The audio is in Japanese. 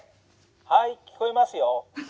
「はい聞こえますよ」。